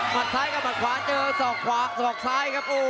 มัดซ้ายกับมัดขวาเจอสองขวาสองซ้ายครับโอ้โห